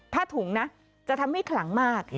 ถุงนะจะทำให้ขลังมาก